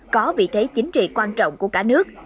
có vị thế chính trị quan trọng của cả nước